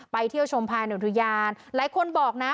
เที่ยวชมภายในอุทยานหลายคนบอกนะ